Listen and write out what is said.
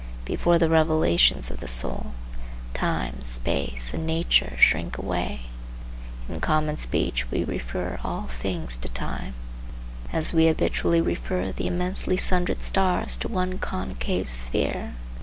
Before the revelations of the soul, Time, Space and Nature shrink away. In common speech we refer all things to time, as we habitually refer the immensely sundered stars to one concave sphere.